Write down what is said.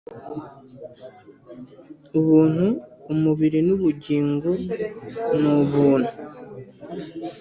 "ubuntu! umubiri n'ubugingo ni ubuntu!"